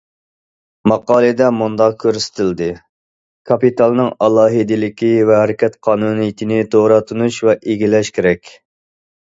ماقالىدە مۇنداق كۆرسىتىلدى: كاپىتالنىڭ ئالاھىدىلىكى ۋە ھەرىكەت قانۇنىيىتىنى توغرا تونۇش ۋە ئىگىلەش كېرەك.